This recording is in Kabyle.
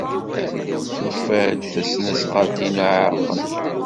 Tufa-d tasnasɣalt-inu iɛerqen.